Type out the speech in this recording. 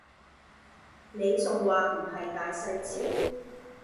你仲話唔係大細超